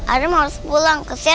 ada yang harus pulang ke sini